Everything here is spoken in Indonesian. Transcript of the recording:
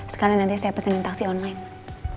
sekarang nanti saya pesanin taksi online